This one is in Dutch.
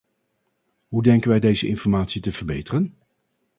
Hoe denken wij deze informatie te verbeteren?